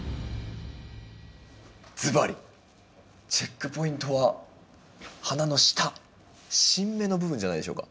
ずばりチェックポイントは花の下新芽の部分じゃないでしょうか？